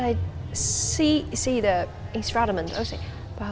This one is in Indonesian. dan main gamelan saya melihat instrumennya dan saya berpikir